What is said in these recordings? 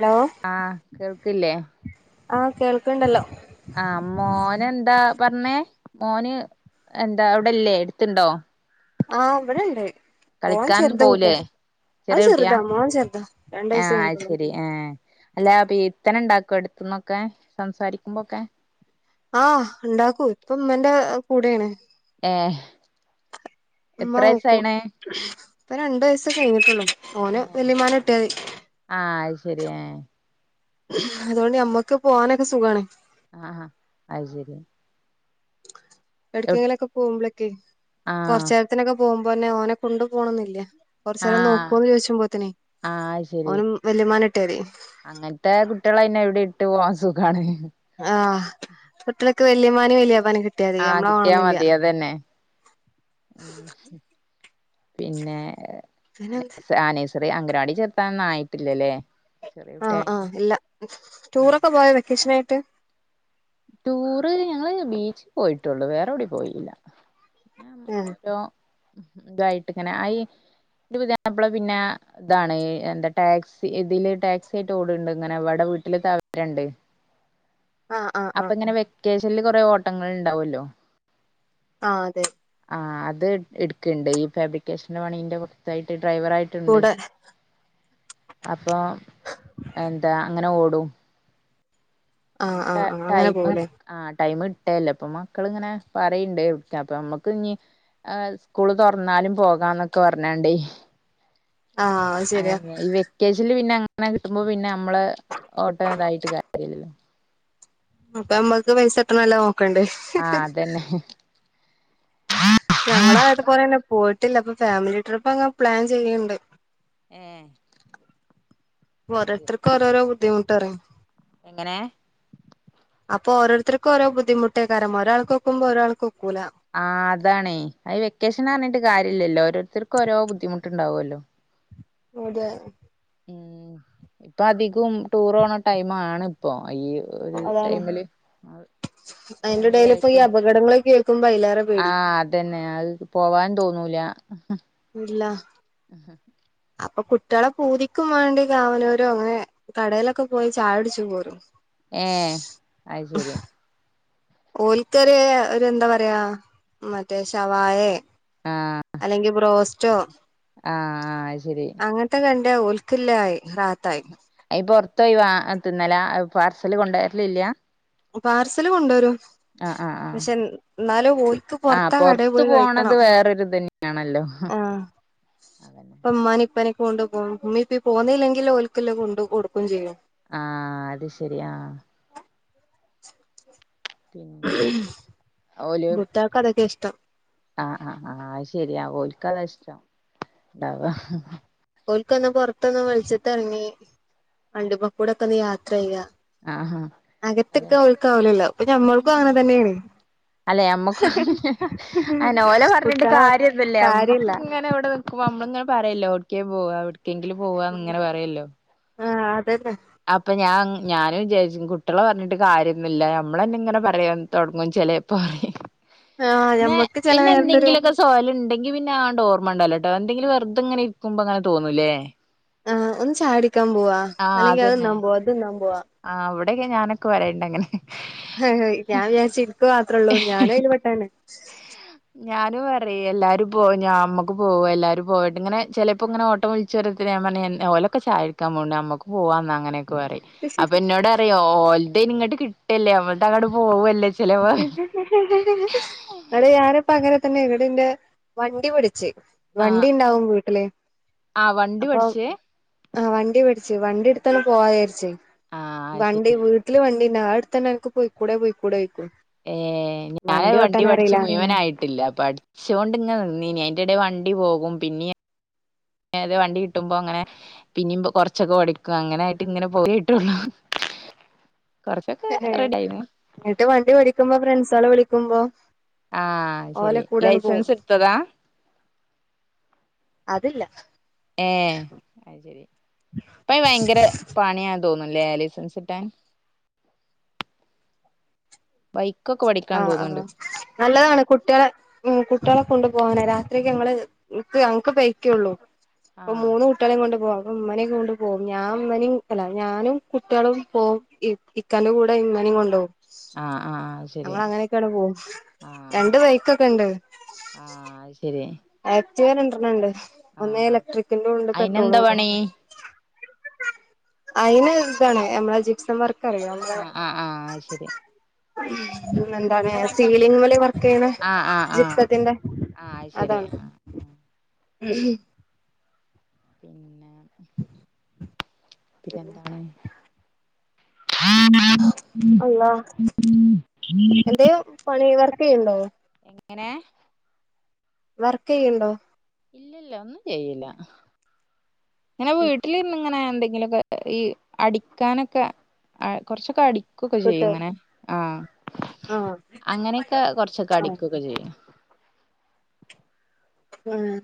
Hello ആഹ് കേൾക്ക്ല്ലേ ആഹ് കേൾക്ക്ണ്ടല്ലോ ആഹ് മോനെന്താ പർഞ്ഞേ മോന് എന്താ അവിടെല്ലേ എട്ത്ത്ണ്ടോ ആഹ് വടെണ്ട് ഓൻ കളിക്കാൻ ചെറുതാ കൂട്ടെ, പോവൂലേ അത് ചെറിയ കുട്ടിയാ ചെറുതാ മോൻ ചെറുതാ രണ്ടയസ് ആഹ് അത് കയ്ഞ്ഞിട്ടൊള്ളു ശരി ഏഹ് അല്ലാ പിത്തനണ്ടാക്കൊ എട്ത്ത്ന്നൊക്കെ, സംസാരിക്കുമ്പൊക്കെ ആഹ് ഈണ്ടാക്കൂ. ഇപ്പംമ്മന്റെ കൂടേണ് ഏഹ് എത്ര വയസായിണ് പ്പരണ്ട് വയസ്സ് കയ്ഞ്ഞിട്ടൊള്ളു, ഓന് ഏഹ് വല്ലിമ്മാനെ കിട്ട്യാതി ആഹ് അയ്ശരി ഏഹ് അതോണ്ട് ഞമ്മക്ക് പോവാനൊക്കെ സുഗാണ് ആഹ അയ് ശരി യൗട്ക്കേങ്കിലൊക്കെ പോവുമ്പളൊക്കെയ് ആഹ് ആഹ് കൊർച്ചേരത്തിനൊക്കെ പോകുമ്പോന്നെ ഓനെ കൊണ്ടു പോണന്നില്യ കൊർച്ചേരം നോക്കോന്ന് ചോയ്ച്ചുമ്പോത്തിനെയ് ഓന് വല്യുമാനെട്ട്യാ തി അങ്ങൻത്തെ കുട്ട്യളെ പിന്നെ എവിടിട്ട് പോവാൻ സുഖാണ് ആഹ് കുട്ട്യളൊക്കെ വല്യമ്മാന്യും വല്യാപ്പാന്യും കിട് ആഹ് കിട്ട്യാ മതി അതന്നെ ഉം ഹും പിന്നെ പിനന്ത് ആഹ് നേഴ്സറി അംഗനവാടി ചേർത്താനൊന്നായിട്ടില്ലലേ, ചെറ്യേ ആഹ് കുട്ട്യായണ്ട് ആഹ് ഇല്ല ടൂറൊക്കെ പോയ വെക്കേഷനായിട്ട് ടൂറ് ഞങ്ങള് ബീച്ചി പോയിട്ടൊള്ളു. വേറെവിടിം പോയില്ല പിന്നെ ഏഹ് ഓരോ തായിട്ട് ഇങ്ങനെ. ഐ ന്റെ പുത്യാപ്പള പിന്നെ താണ് എന്ത ടാക്സി ഇതില് ടാക്സി ആയിട്ട് ഓട്ണ്ട്ങ്ങനെ വടെ വീട്ടില് തവേരണ്ട് ആഹ് അ അപ്പങ്ങനെ വെക്കേഷൻല് കൊറെ ഓട്ടങ്ങൾ ണ്ടാവല്ലോ ആഹ് അതെ ആഹ് അത് ഇട്ക്ക്ണ്ട്. ഈ ഫാബ്രിക്കേഷന്റെ പണീന്റെ പൊർത്തായിട്ട് ഡ്രൈവറായിട്ടുണ്ട് കൂടെ അപ്പോ എന്താ ങ്ങനെ ഓടും ആഹ് അങ്ങനെ ട്ടെ ആഹ് ആഹ് അങ്ങനെ ടൈമ് പോവൂലേ ആടൈംഇട്ടേല്ലേ അപ്പൊ മക്കളിങ്ങനെ പറയുണ്ട് അപ്പ നമ്മക്ക് ഇഞ്ഞി ആസ്കൂള് തുറന്നാലും പോകാംന്നൊക്കെ പറഞ്ഞണ്ടേ ആഹ അങ്ങനെ ഈ വെക്കേഷനിൽ പിന്നെ അങ്ങനെ കിട്ടുമ്പോ പിന്നെ നമ്മള് ഓട്ടതായിട്ട് കാര്യലല്ലോ അപ്പ നമ്മക്ക് പൈസ കിട്ടണ അല്ലെ നോക്കണ്ടേ ആഹ അതന്നെ ഞങ്ങള അത് പോലന്നെ പോയിട്ടില്ല ഇപ്പൊ ഫാമിലി ട്രിപ്പ് ഒക്കെ പ്ലാൻ ചെയ്യുന്നുണ്ട് ഏഹ് അത് ശരി ഓരോരുത്തർക്ക് ഓരോ ബുദ്ധിമുട്ട് പറയും എങ്ങനെ അപ്പൊ ഓരോരുത്തർക്ക് ഓരോ ബുദ്ധിമുട്ടേകാരം ഒരാൾക് ഒക്കുമ്പോ ഒരാൾക് ഒക്കൂല ആഅതാണേ ഈ വെക്കേഷൻ പറഞ്ഞിട്ട് കാര്യല്ലല്ലോ ഓരോരുത്തർക്കും ഓരോ ബുദ്ധിമുട്ടുണ്ടാവുമല്ലോ അതെ ഉം ഇപ്പൊ അധികം ടൂർ പോണ ടൈം ആണ് ഇപ്പോ ഈ ഒരു അതാണ് ടൈമില് അതിന്റെ ഫാമിലി ഇടെൽ ഇപ്പൊ ഈ ആയിട്ടും അപകടങ്ങളൊക്കെ കേക്കുമ്പോ അതിലേറെ പേടി ആഹ് അതന്നെ അഹ് പോവാൻ തോന്നൂല ഇല്ല അപ്പൊ കുട്ടികളെ പൂതിക്കും വേണ്ടി കാവനൂരോ ങ്ങനെ കടയിലൊക്കെ പോയി ചായ കുടി ച്ചു പോരും ഏ അത് ശരി ഓൽക്കര് ഒരു എന്താ പറയാ മറ്റേ ശവായ ആഹ അല്ലെങ്കി ബ്രോസ്റ്റോ ആഹ ആഹ അത് ശരി അങ്ങനത്തെ കണ്ട ഓൾക്കെല്ലാം ആയി റാഹത്തായി ഐ പൊറത്ത് പോയി വാങ്ങി തിന്നല പാർസല് കൊണ്ടരലില്ല പാർസല് കൊണ്ടുവരും ആഹ് ആഹ് ആഹ് പക്ഷെ ന്നാലും ഓല് ക്ക് പൊറത്താ കടയിൽ പോയി കഴിക്കണം ആണല്ലോ അപ്പംമ്മാന്യ ഇപ്പനൊക്ക കൊണ്ട് പോകും ഉമ്മ ഇപ്പ പോന്നില്ലെങ്കിൽ ഓ ൽക്കില്ലത് കൊണ്ട് കൊടുക്കും ചെയ്യും ആഹ അത് ശരി ആഹ് പിന്നെ കുട്ടിൾക്ക് അതൊക്കെ ഇഷ്ടം ആഹ ആഹ ആഹ അത് ശെരിയാ ഓല്ക്കത ഇഷ്ട ഉണ്ടാവ ഓല്ക്ക്ന്ന് പുറത്തൊന്ന് വെളിച്ചത്തെറങ്ങി വണ്ടിമ കൂടെക്കെ ഒന്ന് യാത്ര ചെയ്യ ആഹഹ അകത്ത്കാൻ ഓലക്ക് ആവലല്ലോ അപ്പൊ ഞമ്മൾക്കും അങ്ങനെ ഉം തന്നെയാണ് അല്ലെ നമ്മക്ക് അങ്ങനെയാ ഓലെ പറഞ്ഞിട്ട് കുട്ടികളെ കാര്യന്നുംല്ല നമ്മക്ക് കാര്യല്ല ഇങ്ങനെ ഇവിടെ അപ്പൊ നമ്മളിങ്ങനെ പറയുവല്ലൊ എവിടേക്കെങ്കിലും പോവാ എവിടക്കെങ്കില പോവാന്ന് ഇങ്ങനെ പറയുല്ലോ ആഹ അതന്നെ അപ്പൊ ഞാൻ ഞാനും വിചാരിച്ച കുട്ടികള പറഞ്ഞിട്ട് കാര്യൊന്നുമില്ല നമ്മള് തന്നെ ഇങ്ങനെ പറയാൻ തുടങ്ങും ചെല.. പറയും ആഹ് പിന്ന ഞമ്മക്ക് ചെല പിന്നെ നേരത്തൊരു എന്തെങ്കിലുമൊക്കെ ജോലി ണ്ടെങ്കി പിന്നെ ആ ഓർമ ഉണ്ടല്ലോട്ടോന്തെങ്കില വെറുത ഇങ്ങനെ ഇരിക്കുമ്പോ തോന്നൂലേ ആഹ് ഒന്ന് ചായ കുടിക്കാൻ പോവാ ആഹ് അല്ലെങ്കിൽ അത് അതന്നെ തിന്നാൻ പോവാ ഇത് തിന്നാൻ പോവാ ആഹ് അവിടക്കെ ഞാനൊക്കെ വരയണ്ട് അങ്ങനെ ആ ഞാൻവിചാരിച്ച് എനിക്ക് മാത്രേ ഉള്ളൂന്ന് ഞാനും അതിൽ പെട്ടാണ ഞാനും പറയും എല്ലാരും പോയ് ഞാ അമ്മക്കും പോകാം എല്ലാരും പോയിട്ട് ഇങ്ങനെ ചിലപ്പോ ഇങ്ങനെ ഓട്ടംളിച്ച ചുരത്തിന് നപറഞ്ഞു ലൊക്കെ ചായ കുടിക്കാൻ പോവുട്ട് നമുക്ക് പോകാം എന്ന അങ്ങനൊക്കെ പറയും അപ്പൊ എന്നോട് അറിയോ ഓലത് ഇങ്ങോട്ട് കിട്ടല്ലേ നമ്മൾ അങ്ങോട് പോവല്ലേ ചെലപ്പോ [unintelligible] ഇങ്ങട് ഞാനിപ്പ അങ്ങനെ തന്നെ ഇവിടിന്റെ വണ്ടി പിടിച്ച് ആഹ് വണ്ടി ഉണ്ടാവും വീട്ടില് ആഹ് വണ്ടി അപ്പൊ പഠിച്ചേ ആഹ് വണ്ടി പിടിച്ചു വണ്ടി എടുത്തോണ്ട് പോകവിചാരിച്ചേ ആഹ് ശരി വണ്ടി വീ ട്ടില് വണ്ടിണ്ടാവും അത് എടുത്ത്‌ന്നെ അൻക്ക് പോയിക്കൂടെ പോയിക്കൂടെ ചൊയ്ക്കും ഏഹ് ഞാന് വണ്ടി പഠിച്ച് മുഴുവനായിട്ടില്ല പഠി ച്ചോണ്ട് ഇങ്ങനെ നിന്നീനി അതിന്റെടെ വണ്ടി പോകും പിന്നിയ ഏത് വണ്ടി കിട്ടുമ്പോ അങ്ങനെ പിന്നേം കുറച്ചൊക്കെ ഓടിക്കും അങ്ങനെ ആയിട്ട് ഇങ്ങനെ പോയി ട്ടുള്ളൂ ഏഹ് എന്നിട്ട് വണ്ടി ഓടിക്കുമ്പോ ഫ്രണ്ട്സ്കളെ വിളിക്കുമ്പോ ആഹ് ഓലെ ശരി കൂടെയാണ് പോവും ലൈസൻസ് എടുത്തതാ അതില്ല ഏഹ് അത് ശരി ഇപ്പെ ഭയങ്കര പണിയാന്ന് തോന്നൂന്ന്ലേ ലൈസൻസ് കിട്ടാൻ ബൈക്കൊക്കെ പഠിക്കാൻ ആഹ് ആഹ് തോന്നുന്നുണ്ട് നല്ലതാണ് കുട്ടികളെ ഉം കുട്ടികളെ കൊണ്ടുപോകാനെ രാത്രിക്ക് ഞങ്ങള് ഇൻക്ക് ഞങ്ങക്ക് ബൈക്കേ ഉള്ളൂ ഇപ്പ ആഹ് മൂന്ന് കൂട്ടി കുട്ടികളേം കൊണ്ട് പോകും അപ്പൊ ഉമ്മാനേം കൊണ്ട് പോകും ഞാൻ ഇവനേം അല്ല ഞാനും കുട്ടികളും പോവും ഇവ് ഇക്കാന്റെ കൂടെ ഇമ്മേനേം കൊണ്ട്പോകും ആഹ് ആഹ് ശരി ഞങ്ങള് അങ്ങനെ ഒക്കെ അങ്ങട്ട് പോവും ആഹ് രണ്ട് ബൈക്കൊക്കെ ഇണ്ട് ആഹ് അത് ശരി ആക്റ്റിവ രണ്ടെണ്ണണ്ട് ഒന്ന് ആഹ് ഇലക്ട്രിക്കിന്റെ ഉണ്ട് പെട്രോളും അയിനെന്താ ഉണ്ട് പണി അയിന് ഇതാണ് ഞമ്മള ജീപ്സംവർക് ക്കറിയോ നമ്മളെ ആഹ് ആഹ് ആഹ് അത് ശരി എന്താണ് സീലിങ് മല് വർക്ക് ചെയ്യണെ ആഹ് ആഹ് ആഹ് ജിപ്സത്തിന്റെ ആഹ് അത് ശരി അഹ് ഉം ഉം ഉം പിന്നെ എന്താണ് അള്ളാ എന്തേ പണി വർക്ക് ചെയ്യ്ണ്ടോ എങ്ങനെ വർക്ക് ചെയ്യ്ണ്ടോ ഇല്ലില്ല ഒന്നും ചെയ്യില്ല ഇങ്ങനെ വീട്ടിലിര്ന്ന് ഇങ്ങനെ എന്തെങ്കിലൊക്കെ ഈ അടിക്കാനൊക്കെ അഹ് കൊറച്ചൊക്കെ അടിക്കൊക്കെ ചെയ്യും കിട്ടോ ഇങ്ങനെ ആഹ് ആഹ് അങ്ങനെക്കെ കൊറച്ചൊക്കെ അടിക്കൊക്കെ ചെയ്യും ആഹ്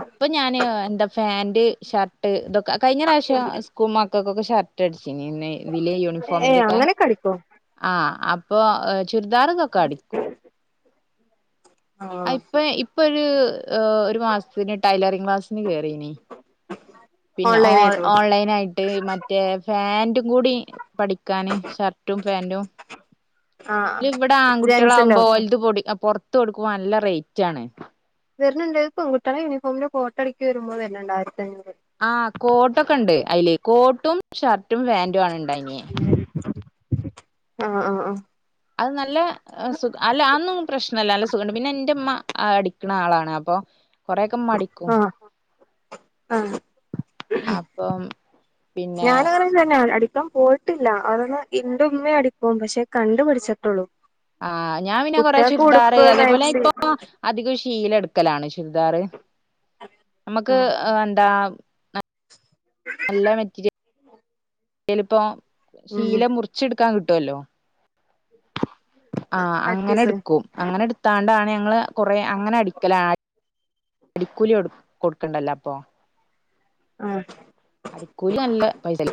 ഇപ്പൊ ഞാന് എന്താ ഫാന്റ് ഷർട്ട് ഇതൊക്കെ കഴിഞ്ഞ പ്രാവശ്യം സ്കൂൾ മക്കക്കൊക്കെ ഷർട് ട്ട് അടിച്ചിനി ഇതില് ഏ യൂണിഫോമിന്റെ ഒക്കെ അങ്ങനെക്കെ അടിക്കോ ആഹ് അപ്പൊ ചുരിദാർ ഇതൊക്കെ അടിക്കും അഹ് ആഹ് ഇപ്പ ഇപ്പൊരു ഒരു മാസത്തിന് ടൈലറിങ് ക്ലാസിന് കേറീനി പിന്നെ ഓൺലൈൻ ഓൾ ആയിട്ടോ ഓൺലൈൻ ആയിട്ട് മറ്റേ ഫാന്റും കൂടി പഠിക്കാന് ഷർട്ടും പാന്റും ആഹ് ലിവിട ജെൻസിന്റോ ആങ്കുട്ടികളാകുമ്പോ ഓല്ത് പൊടി പൊറത്ത് കൊടുക്കുമ്പം നല്ല റേറ്റ് ആണ് വര്ണ്ണ്ണ്ട് പെൺകുട്ടികളെ യൂനിഫോമിന്റെ കോട്ട അടക്കി വരുമ്പോ തന്നെണ്ട് ആയിരത്തി അഞ്ഞൂറ് ആഹ് കോട്ടൊക്കെണ്ട് അയ്ല് കോട്ടും ഷർട്ടും പാന്റും ആണ് ഉണ്ടായിഞ്ഞെ ആഹ് ആഹ് ആഹ് അത് നല്ല സുഖ അല്ല അന്നും പ്രശ്നല്ല അല്ല നല്ല സുഖണ്ട് പിന്നെ എന്റെ ഉമ്മ അടിക്കണ ആളാണ് അപ്പൊ കൊറെ ഒക്ക ഉമ്മ അടിക്കും ആഹ് ആഹ് അപ്പം പിന്നെ അത് തന്നെയ അടിക്കാൻ പോയിട്ടില്ല അതൊന്ന് ഇന്റുമ്മേം അടിക്കും പക്ഷെ കണ്ടു പടിച്ചിട്ടുള്ളൂ ആഹ് ഞാൻ പിന്നെ കൊറേ ചുരിദാറ് അതേപോലെ മാക്സി ഇപ്പൊ. അധികം ശീല എടുക്കലാണ് ചുരിദാറ് നമുക്ക് ആഹ് എന്താ. നല്ല മെറ്റീരിയൽ ലിപ്പോ ഉം ശീല മുറിച്ചെടുക്കാൻ കിട്ടുവല്ലോ. ആഹ് കട്ട് അങ്ങനെ പീസ് എടുക്കും. അങ്ങനെ എടുത്താണ്ടാണ് ഞങ്ങള് കൊറ അങ്ങനെ അടിക്കലാ. അടിക്കൂലി കൊടുക്കണ്ടല്ലോ അപ്പൊ. ആഹ്. അടിക്കൂലി നല്ല പൈസ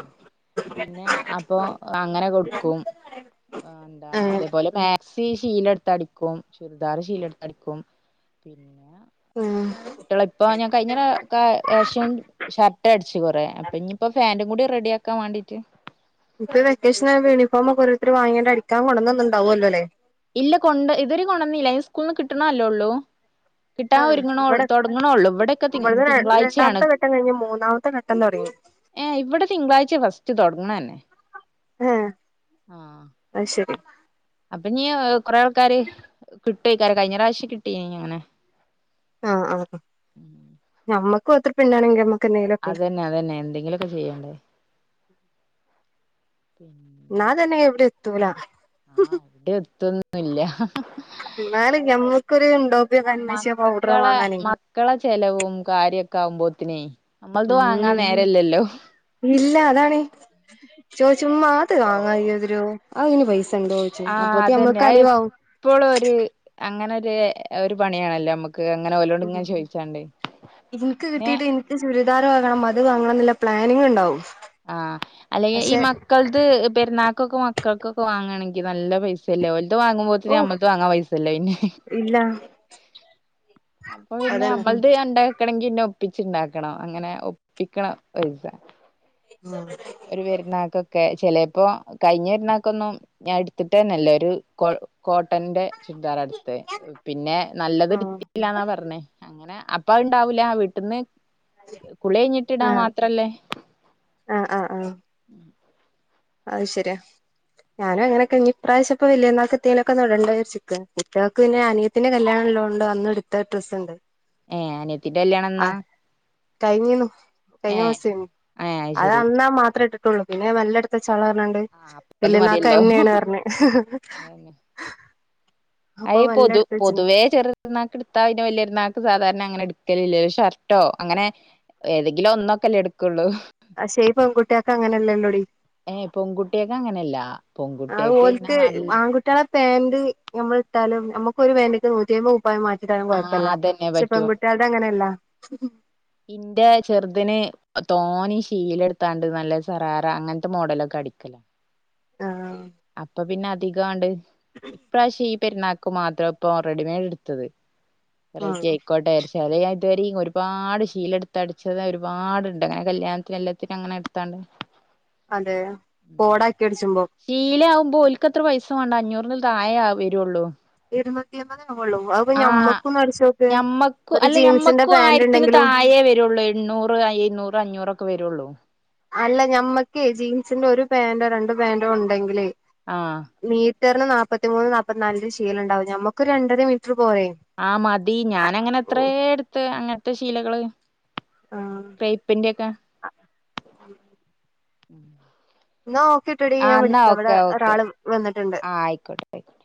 പിന്നെ അപ്പൊ അങ്ങനെ കൊടുക്കും. ആ എന്താ അതേപോലെ മാക്സി ശീലെടുത്ത് അടിക്കും ചുരിദാർ ശീലെടുത്ത് അടിക്കും. ഉം കുട്ടികള ഇപ്പൊ ഞാൻ കഴിഞ്ഞപ്രാവശ്യം ഷർട്ട് അടി ച്ച് കുറേ അപ്പം ഇനിയിപ്പോൾ പാന്റും കൂടി റെഡിയാക്കൻ വേണ്ടയിട്ട്. ഇപ്പ വെക്കേഷൻ യൂണിഫോമക്കെ ഒരോരുത്തർ വാങ്ങിയാണ്ട് അടിക്കാൻ കൊണ്ടന്നന്ന്ണ്ടാവുമല്ലോ ലേ ഇല്ല കൊണ്ട് ഇവര് കൊണ്ടന്നില്ല ഈ സ്കൂളിൽ നിന്ന് കിട്ടണല്ലേ ഉള്ളൂ കിട്ടാൻ ആഹ് ഒരുങ്ങണേ ഇവിടെ തുടങ്ങണേ ഉള്ളൂ ഇവിടെയൊക്കെ ഇവിടുന്ന് തിങ്കളാഴ്ചയാണ്. രണ്ടാമത്തെ ഘട്ടം കഴിഞ്ഞ് മൂന്നാമത്തെ ഘട്ടം തുടങ്ങി ഏ ഇവിടെ തിങ്കളാഴ്ച ഫസ്റ്റ് തുടങ്ങണ തന്നെ. ഏഹ്. ആഹ് അത് ശരി അപ്പൊ നീ കൊറെേ ആൾക്കാര് കി. ട്ടക്കാര് കഴിഞ്ഞ പ്രാവശ്യം കിട്ടീനി അങ്ങനെ. ആഹ് ആ ആ ഞമ്മക്കും അത്ര [unintelligible] അതന്നെ അതന്നെ എന്തെങ്കിലുമൊക്കെ ചെയ്യാ ഉ എന്നാ തന്നെ എവിടം എത്തൂല. എൻ്റെ എടുത്തൊന്നുംല്ല. എന്നാലും ഞമ്മക്കൊരു ണ്ടോപിയോ കൺമശിയോ പൗഡർ മക്കളെ വാങ്ങാനേ മക്കളെ ചെലവും കാര്യൊക്കെ ആകുമ്പോത്തിനേ നമ്മൾത് ഉം വാങ്ങാൻ നേരല്ലല്ലോ. ഇല്ല അതാണേ ചോദിച്ചു മ്മാ അത് വാങ്ങായ്യോതിരോ അതിന് പൈസ ഉണ്ടോ. ചോദിക്കുമ്പോ ഞമ്മൾക്ക് കളിവവാവും. ഇപ്പോഴും ഒരു അങ്ങനെ ഒരു ഒരു പണിയാണല്ലോ നമുക്ക്. അങ്ങനെ ഓരോട് ഉം ചോദിച്ചാണ്ട് പിന്നെ. ൻക്ക് ചുരിദാർ വാങ്ങണം അത് വാങ്ങണം എന്നുള്ള പ്ലാനിങ് ഉണ്ടാവും. ആഹ അല്ലെങ്കിൽ ഈ പക്ഷെ മക്കൾത് പെരുന്നാൾക്കൊക്കെ മക് മക്കൾക്കൊക്കെ വാങണെങ്കി നല്ല പൈസല്ലെ ഓര്ത് വാങ്ങുമ്പോ. ഓ നമ്മൾത് വാങ്ങാൻ പൈസ ഇല്ലനി ഇല്ല അപ്പോ പിന്നെ അതന്നെ അത് ഉണ്ടാക്കണെങ്കിന്നെ ഒപ്പിച്ച ഉണ്ടാക്കണം അങ്ങനെ ഒപ്പിക്കണം പൈസ ഉം. ഒരു പെരുന്നാൾക്കൊക്കെ ചിലപ്പോ കഴിഞ്ഞ പെരുന്നാൾക്കൊന്നും. ഞാൻ എടുത്തിട്ട് തന്നെയില്ല ഒരു കോ കോട്ടന്റെ. ചുരിദാറ എടുത്ത് പിന്നെ നല്ലത് ഉം ഇടുത്തിട്ടില്ലന്നാ പറഞ്ഞേ അങ്ങനെ അപ്. അപ്പ ഉണ്ടാവൂല്ല ആ വീട്ടന്ന് കുളി കഴിഞ്ഞിട്ടി ഇടാൻ ആഹ് മാത്രല്ലേ. ആഹ് ആഹ് ആഹ് ഉം. അത് ശരിയാ. ഞാനും അങ്ങനൊക്കെ ഇ പ്രാവശ്യം വല്യ എന്ന എത്തിനൊക്കെടണ്ടോ കുൾക്ക് പിന്നന. പത്തിന്റെ കല്യാണല്ലോണ്ട് അന്ന് എടുത്ത ഡ്രസ്സ് ഉണ്ട്. ഏ അനെത്തിന്റെകല്യാണം എന്നാ. കഴിഞ്ഞു കഴിഞ്ഞ മാസം എരിന്നു ഏ അത് ശരി അന്നാ മാത്രമേ ഇട്ടിട്ടുള്ളൂ പിന്നെ നല്ലടത്ത. ഇ ചളണണ്ട് ആ അപ്പ അത് മതിയല്ലോ വല്ലന്നക്കന്നെയാണ് പറഞ്ഞ. അതന്നെ അപ്പൊമെെല്ല എടുത് വച്ചിന്ന് രുന്നക്ക് എടുത്താ പിനെ വലിയൊരുന്നാക്ക് സാധാരണ അങ്ങനെ എടുക്കലില ഷർട്ടോ അങ്ങനെ. ഏതെങ്കിലും ഒന്നൊക്കെല്ലേ എടുക്കുള്ളൂ. പക്ഷെ ഈ പെൺകുട്ടിയേൾക്ക് അങ്ങനെയാലല്ലോടി. പൊൺകുട്ടീക്ക അങ്ങനല്ല പൊൺകുട്ടീക്ക് പിന്ന നല്ല ഇറ്റാള പാന്റ് ഞമ്മള് ഇട്ടാലും ഞമ്മക്കൊര് പാന്റ്ക് നൂറ്റയ്മ്പത് കു പായം മാറ്റിട്ടാലും ആഹ് കൊഴപ്പല്ല. അതന്നെ ഷെ പറ്റൂ പെൺകുട്ടീൾത അങ്ങനല്ല ഇന്റെ ചെറ്തിന് തോനീ ശീല ഇട്ത്താണ്ട് നല്ല സറാറ അങ്ങൻത്ത മോഡലൊക്ക അടിക്കലാ ആഹ് അപ്പൊ പിന്നെ അധികാണ്ട് ഇപ്രാവശ്യ ഈ പെര്ന്നാ മാത്രൊ ഇപ്പൊ റെഡിമേഡ് ഇട്ത്തത് ആഹ് വെറൈറ്റി അയ്ക്കോട്ടെ ചെലെ ഞാ ഇത് വരീം ഒര്പാട് ഇഷ് ശീല ഇട്ത്ത് അടിച്ചത് ഒരുപാട്ണ്ട് അങ്ങനെ കല്യാൺത്തിന് എല്ലത്തിനും അങ്ങനെ ഇട്ത്താണ്ട് അതേ. കോടാക്കി അടിച്ചുമ്പൊ ശീലയാവുമ്പൊ ഓൽക്കത്ര പൈസ വേണ്ട. അഞ്ഞൂറിന്ൽ താഴെ വരൊള്ളു ഇരുന്നൂറ്റി അമ്പതെ ആവൊള്ളു അപൊ ഞമ്മക്കൊന്ന് അടിച്ചോക്ക് ഒരു ജീൻസിന്റെ പാന്റു ഉണ്ടെങ്കിലും താഴെ വരൊള്ളു. എണ്ണൂറ്, അയ് ഇരുന്നൂറ്, അഞ്ഞൂറൊക്കെ വരൊള്ളു അല്ല ഞമ്മക്ക് ജീൻസിന്റെ ഒരു പാന്റൊ രണ്ട് പാന്റൊ ഉണ്ടെങ്കില് ആഹ് മീറ്റർന് നാപ്പത്തിമൂന്ന് നാപ്പത്തി നാലിന്റെ ശീലണ്ടാവും എമ്മക്കൊര് രണ്ടര മീറ്റർ പോരെ ആഹ് മതി. ഞാനങ്ങനെ എത്രേ ഇട്ത്ത് അങ്ങൻത്തെ ശീലകള് ആഹ് പെയ്പ്പിന്റക്ക എന്നാ ഓക്കെട്ടടി ആഹ് ഞാൻ അന്നാ വിളിക്കാം ഇവിടെ ഓക്കെ ഓക്കെ ഒരാള് വന്നിട്ടുണ്ട് ആഹ് അയ്ക്കോട്ടെ അയ്ക്കോട്ടെ